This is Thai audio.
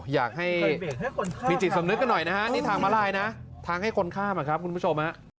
อยากให้มีจิตสำนึกกันหน่อยนะฮะนี่ทางมาลายนะทางให้คนข้ามอะครับคุณผู้ชมฮะ